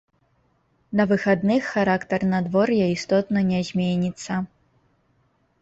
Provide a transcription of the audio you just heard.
На выхадных характар надвор'я істотна не зменіцца.